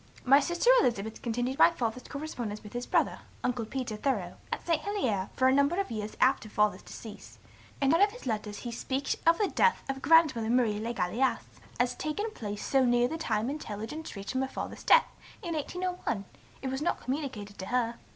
My sister Elizabeth continued my Father's correspondence with his brother, Uncle Peter Thoreau, at St. Helier, for a number of years after Father's decease, and in one of his letters he speaks of the death of grandmother, Marie Le Gallais, as taken place so near the time intelligence reach'd them of Father's death, in 1801, it was not communicated to her.